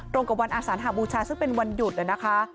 กับวันอาสานหาบูชาซึ่งเป็นวันหยุดนะคะ